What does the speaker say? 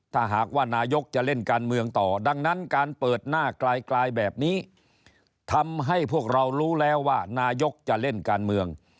ถ้าหากว่านายกจะเล่นการเมืองต่อดังนั้นการเปิดหน้ากลายแบบนี้ทำให้พวกเรารู้แล้วว่านายกจะเล่นการเมือง